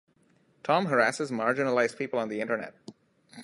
Tom harasses marginalized people on the Internet.